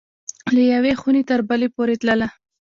له یوې خوني تر بلي پوری تلله